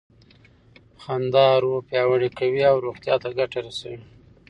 خندا روح پیاوړی کوي او روغتیا ته ګټه رسوي.